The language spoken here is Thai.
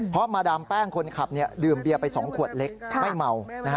เพราะมาดามแป้งคนขับดื่มเบียร์ไป๒ขวดเล็กไม่เมา